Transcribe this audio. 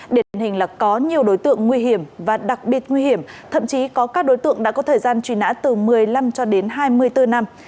điển hình là có nhiều đối tượng nguy hiểm và đặc biệt nguy hiểm thậm chí có các đối tượng đã có thời gian truy nã từ một mươi năm cho đến hai mươi bốn năm